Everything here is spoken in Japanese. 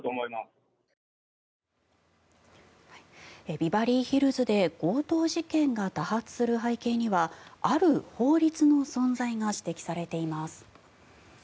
ビバリーヒルズで強盗事件が多発する背景にはある法律の存在が指摘されています。